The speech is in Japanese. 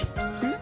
ん？